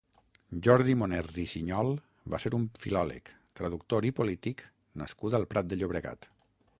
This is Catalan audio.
Jordi Moners i Sinyol va ser un filòleg, traductor i polític nascut al Prat de Llobregat.